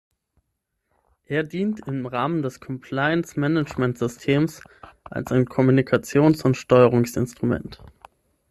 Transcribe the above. Er dient im Rahmen des Compliance Management Systems als ein Kommunikations- und Steuerungsinstrument.